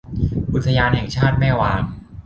อุทยานแห่งชาติแม่วาง